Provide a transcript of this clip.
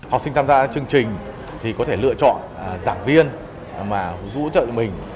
học sinh tham gia chương trình thì có thể lựa chọn giảng viên mà giúp ủng hộ mình